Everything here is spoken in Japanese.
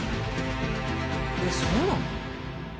えっそうなの？